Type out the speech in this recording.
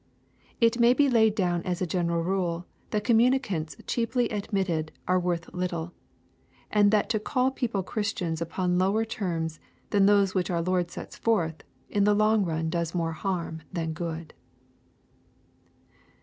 .It may be laid down as a general rule that communicants cheaply admitted are worth little, and that to call people Christiana upon lower terms than those which our Lord sets forfli, in the long run does more harm than good.